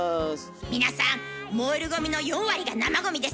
皆さん燃えるゴミの４割が生ゴミです。